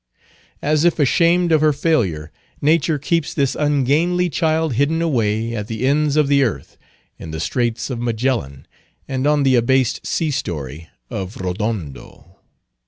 As if ashamed of her failure, Nature keeps this ungainly child hidden away at the ends of the earth, in the Straits of Magellan, and on the abased sea story of Rodondo.